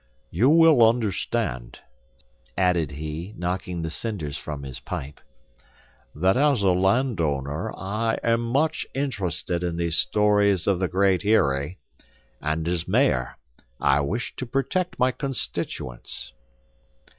"You will understand," added he, knocking the cinders from his pipe, "that as a land owner, I am much interested in these stories of the Great Eyrie, and as mayor, I wish to protect my constituents."